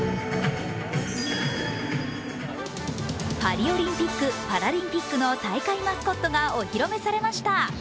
パリオリンピック・パラリンピックの大会マスコットがお披露目されました。